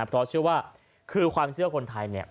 เพราะเชื่อว่าคือความเชื่อคนไทยเนี่ย